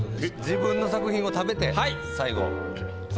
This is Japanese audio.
自分の作品を食べて最後。